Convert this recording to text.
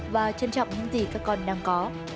và trân trọng những gì các con đang có